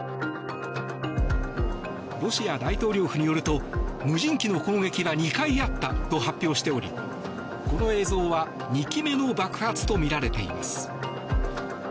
ロシア大統領府によると無人機の攻撃は２回あったと発表しておりこの映像は２機目の爆発とみられています。